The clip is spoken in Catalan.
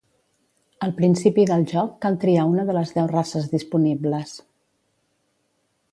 Al principi del joc cal triar una de les deu races disponibles.